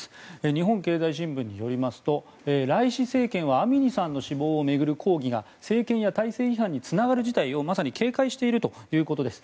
日本経済新聞によりますとライシ政権はアミニさんの死亡を巡る抗議が政権や体制批判につながる事態をまさに警戒しているということです。